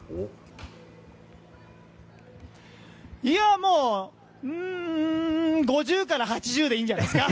もう、５０から８０でいいんじゃないですか？